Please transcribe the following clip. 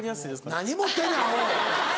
何持ってんねんアホ。